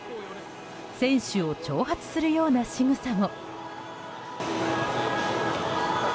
選手を挑発するようなしぐさも。